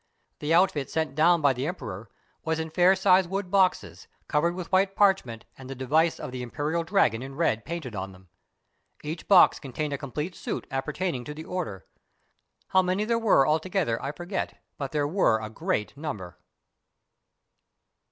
The outfit sent down by the em peror was in fair sized wood boxes covered with white parchment, and the device of the Imperial dragon in red painted on them. Each box contained a complete suit appertaining to the order; how many there were altogether I forget, but there were a great number.